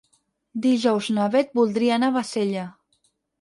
Dijous na Bet voldria anar a Bassella.